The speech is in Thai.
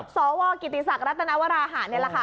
สวกิติศักดิรัตนวราหะนี่แหละค่ะ